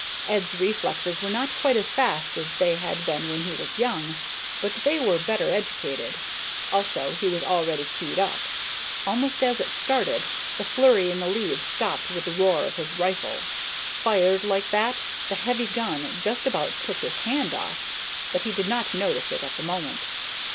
Ed's reflexes were not quite as fast as they had been when he was young, but they were better educated. Also, he was already keyed up. Almost as it started, the flurry in the leaves stopped with the roar of his rifle. Fired like that, the heavy gun just about took his hand off, but he did not notice it at the moment.